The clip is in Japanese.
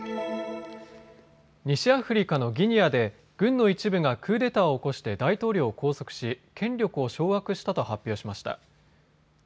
西アフリカのギニアで軍の一部がクーデターを起こして大統領を拘束し、権力を掌握したと発表しました。